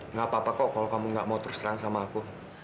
nggak apa apa kok kalau kamu gak mau terus terang sama aku